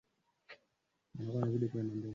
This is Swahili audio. Alieleza atakutana na viongozi wa vyama vya siasa